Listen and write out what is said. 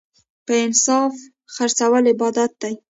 په انصاف خرڅول عبادت دی.